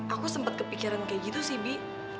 aku sempat kepikiran kayak gitu sih bi